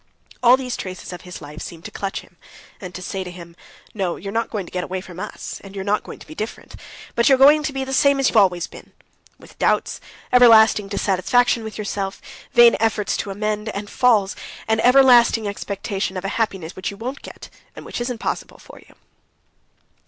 All these traces of his life seemed to clutch him, and to say to him: "No, you're not going to get away from us, and you're not going to be different, but you're going to be the same as you've always been; with doubts, everlasting dissatisfaction with yourself, vain efforts to amend, and falls, and everlasting expectation, of a happiness which you won't get, and which isn't possible for you."